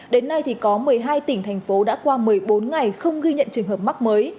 đến nay thì có một mươi hai tỉnh thành phố đã qua một mươi bốn ngày không ghi nhận trường hợp mắc mới